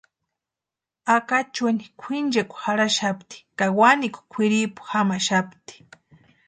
Acachueni kwʼinchekwa jarhaxapti ka wanikwa kwʼiripu jamaxapti.